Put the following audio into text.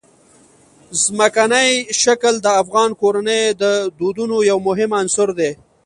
ځمکنی شکل د افغان کورنیو د دودونو یو مهم عنصر دی.